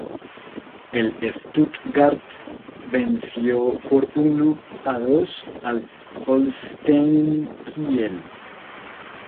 El Stuttgart venció por uno a dos al Holstein Kiel.